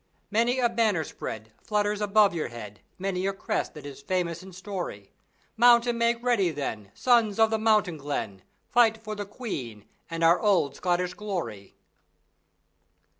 Many a banner spread Flutters above your head, Many a crest that is famous in story; Mount and make ready then, Sons of the mountain glen, Fight for the Queen and our old Scottish glory!